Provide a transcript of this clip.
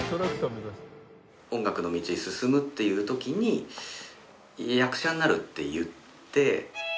音楽の道へ進むっていう時に役者になるって言って。